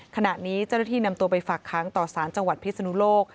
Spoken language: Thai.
ขณะนี้เจ้าหน้าที่นำตัวไปฝากค้างต่อสารจังหวัดพิศนุโลก